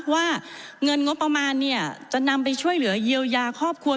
ว่าเงินงบประมาณเนี่ยจะนำไปช่วยเหลือเยียวยาครอบครัว